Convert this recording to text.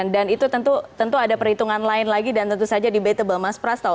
dan itu tentu ada perhitungan lain lagi dan tentu saja debatable mas pras tahu